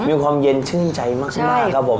มีความเย็นชื่นใจมากขึ้นมากครับผม